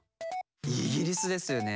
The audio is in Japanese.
イギリスですよね。